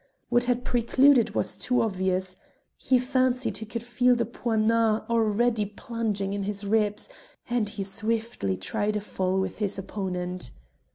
What that precluded was too obvious: he fancied he could feel the poignard already plunging in his ribs, and he swiftly tried a fall with his opponent.